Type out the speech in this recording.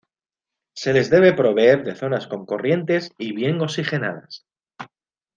Se les debe proveer de zonas con corrientes y bien oxigenadas.